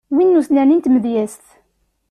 Win n usnerni n tmedyezt.